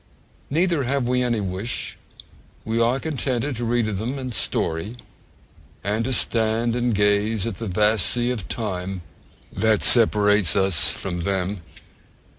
Neither have we any wish: we are contented to read of them in story, and to stand and gaze at the vast sea of time that separates us from them.